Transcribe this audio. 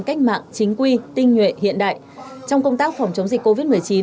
cách mạng chính quy tinh nhuệ hiện đại trong công tác phòng chống dịch covid một mươi chín